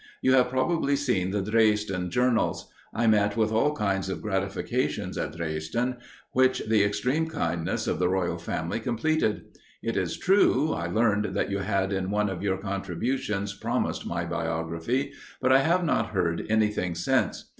You have probably seen the Dresden journals. I met with all kinds of gratifications at Dresden, which the extreme kindness of the royal family completed. It is true, I learned that you had in one of your contributions promised my biography, but I have not heard anything since.